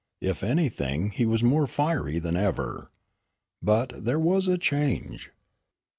If anything he was more fiery than ever. But, there was a change.